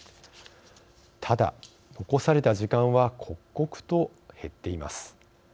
ただ、残された時間は刻々と減っています。